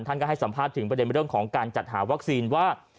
ท่านก็ให้สัมภาษณ์ถึงประเด็นเรื่องของการจัดหาวัคซีนว่า